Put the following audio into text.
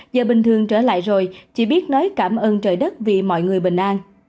giờ bình thường trở lại rồi chỉ biết nói cảm ơn trời đất vì mọi người bình an